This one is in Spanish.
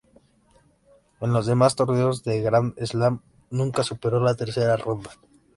En los demás torneos de Grand Slam nunca superó la tercera ronda.